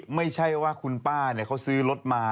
ไม่ใช่ว่าคุณป้าเขาซื้อรถมา